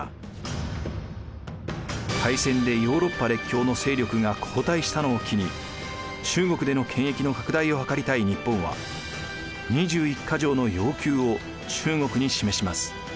大戦でヨーロッパ列強の勢力が後退したのを機に中国での権益の拡大をはかりたい日本は二十一か条の要求を中国に示します。